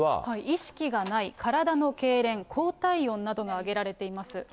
意識がない、体のけいれん、高体温などが挙げられています。